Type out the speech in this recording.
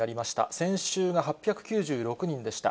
先週が８９６人でした。